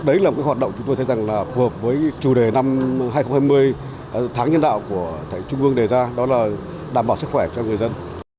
đấy là một hoạt động chúng tôi thấy rằng là phù hợp với chủ đề năm hai nghìn hai mươi tháng nhân đạo của thầy trung ương đề ra đó là đảm bảo sức khỏe cho người dân